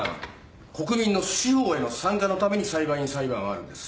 国民の司法への参加のために裁判員裁判はあるんです。